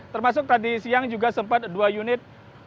termasuk tadi siang juga sempat dua unit